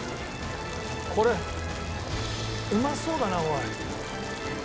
これうまそうだなおい。